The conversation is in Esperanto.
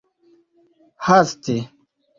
haste